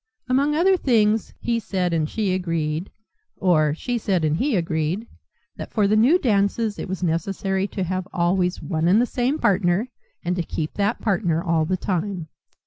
Among other things he said, and she agreed or she said and he agreed that for the new dances it was necessary to have always one and the same partner, and to keep that partner all the time.